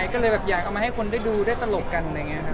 ก็เลยอยากเอามาให้คนได้ดูได้ตลกกัน